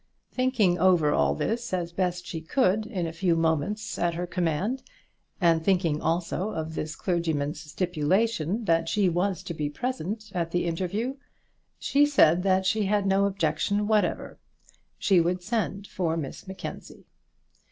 Thinking over all this as best she could in the few moments at her command, and thinking also of this clergyman's stipulation that she was to be present at the interview, she said that she had no objection whatever. She would send for Miss Mackenzie.